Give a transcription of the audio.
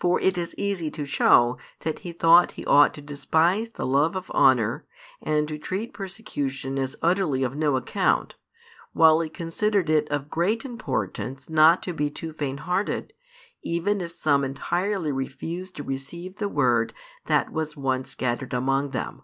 |421 For it is easy to show that he thought he ought to despise the love of honour, and to treat persecution as utterly of no account, while he considered it of great importance not to be too fainthearted, even if some entirely refused to receive the Word that was once scattered among them.